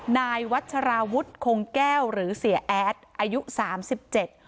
นายวัชราวุฒิคงแก้วหรือเสียแอดอายุสามสิบเจ็ด